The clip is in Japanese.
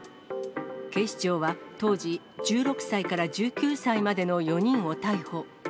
警視庁は、当時１６歳から１９歳までの４人を逮捕。